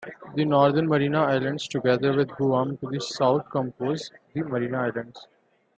The Northern Mariana Islands, together with Guam to the south, compose the Mariana Islands.